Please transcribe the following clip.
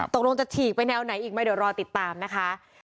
ตกลงจะฉีกไปแนวไหนอีกไหมเดี๋ยวรอติดตามนะคะ